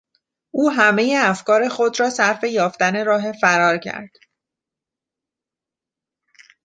او همهی افکار خود را صرف یافتن راه فرار کرد.